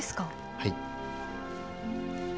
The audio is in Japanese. はい。